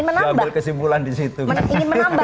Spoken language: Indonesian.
menambah tadi ingin menambah